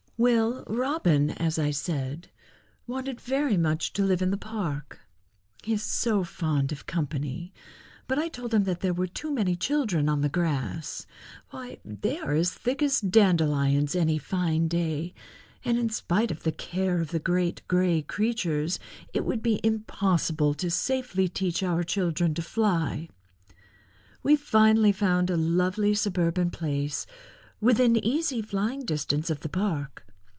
"Well, Robin, as I said, wanted very much to live in the park. He is so fond of company, but I told him there were too many children on the grass. Why, they are as thick as dandelions any fine day, and in spite of the care of the great gray creatures it would be impossible to safely teach our children to fly. We finally found a lovely suburban place within easy flying distance of the park.